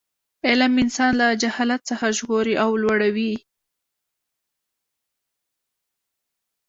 علم انسان له جهالت څخه ژغوري او لوړوي.